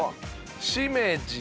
しめじ。